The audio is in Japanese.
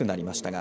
が